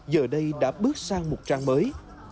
giờ đây đã bước sang một trang mới